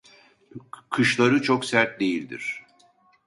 Kışları çok sert değildir.